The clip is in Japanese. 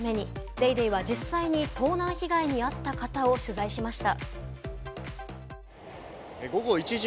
『ＤａｙＤａｙ．』は実際に盗難被害に遭った方を取材しました。